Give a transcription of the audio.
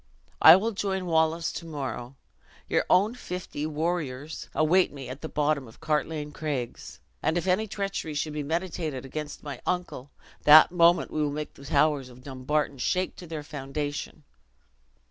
I will join Wallace to morrow. Your own fifty warriors await me at the bottom of Cartlane Craigs; and if any treachery should be meditated against my uncle, that moment we will make the towers of Dumbarton shake to their foundation."